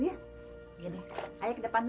ya udah ya ke depan ya